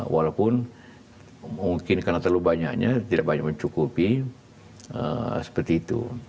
walaupun mungkin karena terlalu banyaknya tidak banyak mencukupi seperti itu